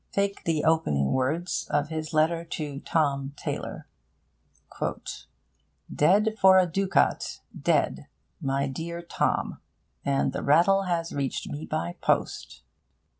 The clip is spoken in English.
Take the opening words of his letter to Tom Taylor: 'Dead for a ducat, dead! my dear Tom: and the rattle has reached me by post.